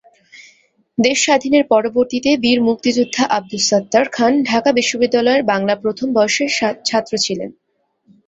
দেশ স্বাধীনের পরবর্তীতে বীর মুক্তিযোদ্ধা আব্দুস সাত্তার খাঁন ঢাকা বিশ্ববিদ্যালয়ের বাংলা প্রথম বর্ষের ছাত্র ছিলেন।